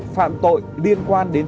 phạm tội liên quan đến